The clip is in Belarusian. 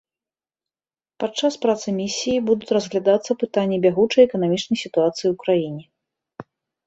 Падчас працы місіі будуць разглядацца пытанні бягучай эканамічнай сітуацыі ў краіне.